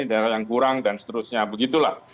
daerah yang kurang dan seterusnya begitulah